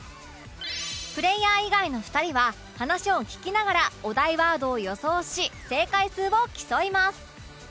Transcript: プレイヤー以外の２人は話を聞きながらお題ワードを予想し正解数を競います